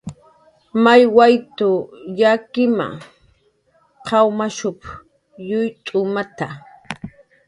"May wayt""w yakkima, qaw mashups yuyt'utmata"